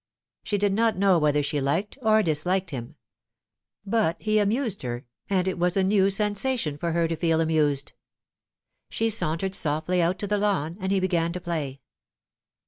She did not know whether she liked or disliked him ; but he amused her, and it was a new sensation for her to feel amused. She sauntered softly out to the lawn, and he began to play.